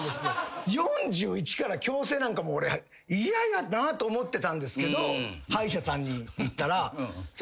４１から矯正なんか俺嫌やなと思ってたんですけど歯医者さんに行ったらえーっ！ってなって僕。